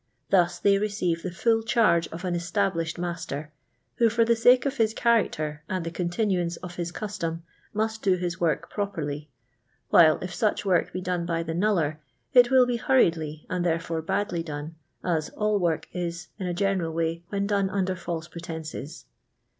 Thus they receive the full charge of an established master, who, for the sake of his character and the continuance of his custom, must do his work properly; while if such work be done by the knuller, it will be hurriedly and therefore badly done, as all work is, in a general way, when done under false pretences.